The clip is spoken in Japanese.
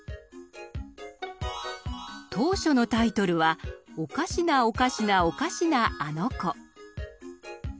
当初のタイトルは「おかしなおかしなおかしなあの子」。